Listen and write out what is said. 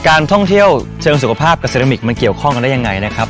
การท่องเที่ยวเชิงสุขภาพกับเซรามิกมันเกี่ยวข้องกันได้ยังไงนะครับ